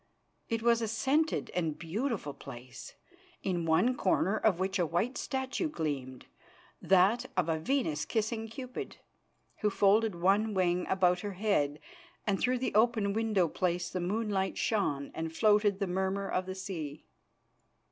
It was a scented and a beautiful place, in one corner of which a white statue gleamed, that of a Venus kissing Cupid, who folded one wing about her head, and through the open window place the moonlight shone and floated the murmur of the sea.